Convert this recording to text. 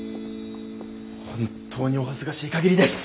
本当にお恥ずかしい限りです。